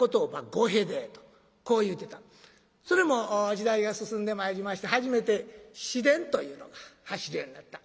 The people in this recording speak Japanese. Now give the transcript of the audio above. それも時代が進んでまいりまして初めて市電というのが走るようになった。